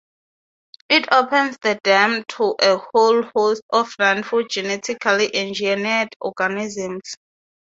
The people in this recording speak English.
It opens the dams to a whole host of nonfood genetically engineered organisms.